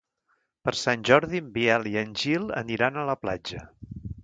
Per Sant Jordi en Biel i en Gil aniran a la platja.